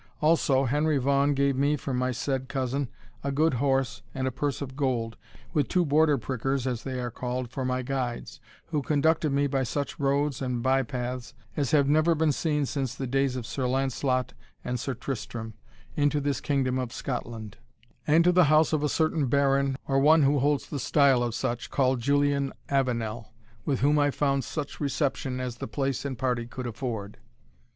Also, Henry Vaughan gave me, from my said cousin, a good horse, and a purse of gold, with two Border prickers, as they are called, for my guides, who conducted me, by such roads and by paths as have never been seen since the days of Sir Lancelot and Sir Tristrem, into this kingdom of Scotland, and to the house of a certain baron, or one who holds the style of such, called Julian Avenel, with whom I found such reception as the place and party could afford."